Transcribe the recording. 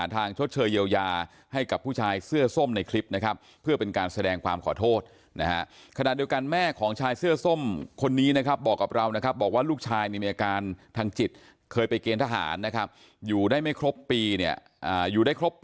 แต่ไม่มีแบบแผลเจ็บมากกว่าผมเนี่ย